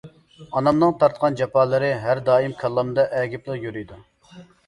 ئانامنىڭ تارتقان جاپالىرى ھەر دائىم كاللامدا ئەگىپلا يۈرىدۇ!